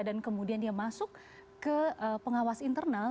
dan kemudian dia masuk ke pengawas internal